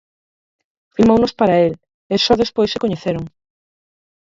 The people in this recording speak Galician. Filmounos para el, e só despois se coñeceron.